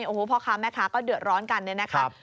โอ้โหพ่อค้าแม่ค้าก็เดือดร้อนกันเนี่ยนะครับ